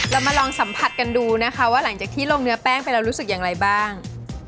เรามาลองสัมผัสกันดูนะคะว่าหลังจากที่ลงเนื้อแป้งไปเรารู้สึกอย่างไรบ้าง